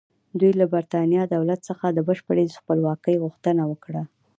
دوی له برېټانیا دولت څخه د بشپړې خپلواکۍ غوښتنه وکړه.